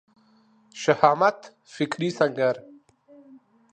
شهامت فکري سنګر